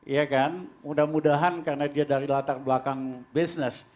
ya kan mudah mudahan karena dia dari latar belakang bisnis